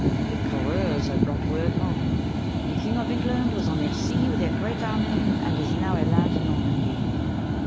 The currours have brought worde home, the Kynge of Englande was on the see with a great army, and is now a lande in Normandy.